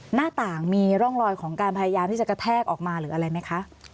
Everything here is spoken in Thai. หน้าต่างมีร่องรอยของการพยายามที่จะกระแทกออกมาหรืออะไรไหมคะ